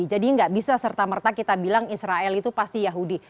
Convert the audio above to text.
jadi nggak bisa serta merta kita bilang israel itu pasti yahudi